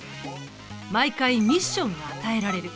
毎回ミッションが与えられる。